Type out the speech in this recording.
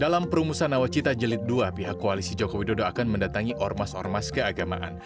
dalam perumusan nawacita jelit dua pihak koalisi joko widodo akan mendatangi ormas ormas keagamaan